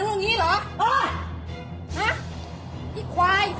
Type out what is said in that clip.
เห็นมึงเห็นกับพี่ยายเนี่ย